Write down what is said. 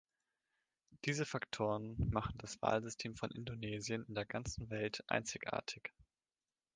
Diese Faktoren machen das Wahlsystem von Indonesien in der ganzen Welt einzigartig.